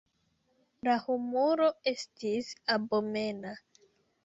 La humoro estis abomena.